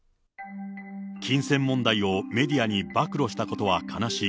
金銭問題をメディアに暴露したことは悲しい。